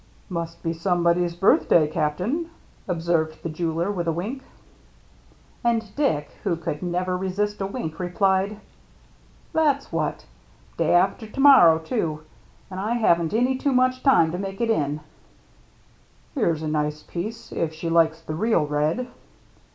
" Must be somebody's birthday. Captain," observed the jeweller, with a wink. And Dick, who could never resist a wink, replied :" That's what. Day after to morrow, too, and I haven't any too much time to make it in." "Here's a nice piece — if she likes the real red."